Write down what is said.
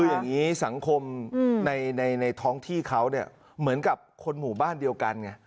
คืออย่างนี้สังคมในท้องที่เขาเนี่ยเหมือนกับคนหมู่บ้านเดียวกันไง